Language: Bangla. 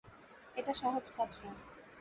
এটা সহজ কাজ নয়।